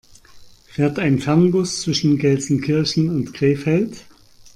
Fährt ein Fernbus zwischen Gelsenkirchen und Krefeld?